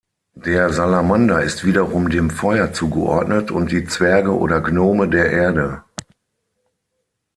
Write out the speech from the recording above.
Der Salamander ist wiederum dem Feuer zugeordnet und die Zwerge oder Gnome der Erde.